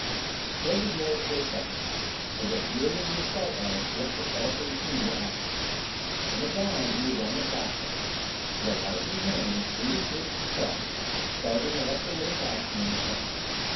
Still the door stood fast, but the fury of the assault on it whipped the faltering Keane to action. In a bound he was on the platform. With a lightning hand he threw the switch to plus, starting electrolytic action in the tank.